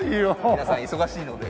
皆さん忙しいので。